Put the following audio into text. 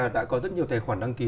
đã có rất nhiều tài khoản đăng ký